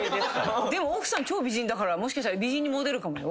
でも奥さん超美人だからもしかしたら美人にモテるかもよ。